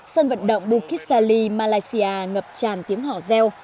sân vận động bukit sali malaysia ngập tràn tiếng hỏ reo